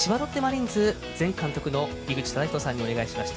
元千葉ロッテの監督の井口資仁さんにお願いしました。